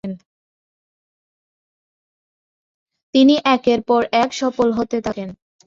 তিনি একের পর এক সফল হতে থাকেন।